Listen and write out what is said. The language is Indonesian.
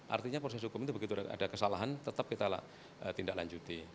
artinya proses hukum itu begitu ada kesalahan tetap kita tindak lanjuti